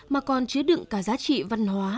mà còn chứa đựng cả giá trị văn hóa